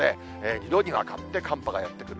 ２度にわたって寒波がやって来る。